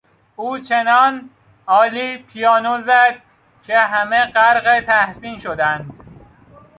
او چنان عالی پیانو زد که همه غرق تحسین شدند.